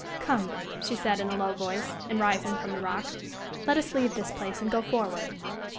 "Come," she said, in a low voice, and rising from the rock; "let us leave this place and go forward."